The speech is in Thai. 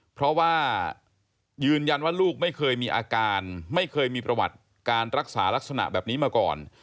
เพราะว่ายืนยันว่าลูกไม่เคยมีอาการไม่เคยมีประวัติการรักษาลักษณะแบบนี้มาก่อน